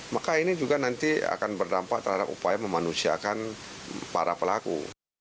maka ini juga nanti akan berdampak terhadap upaya memanusiakan para pelaku